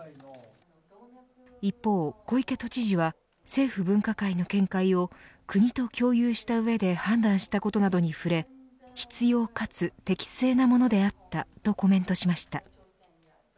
一方、小池都知事は政府分科会の見解を国と共有した上で判断したことなどに触れ必要かつ適正なものであったとコメントしました。